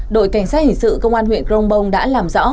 đội cảnh sát hình sự công an huyện grongbong đã làm rõ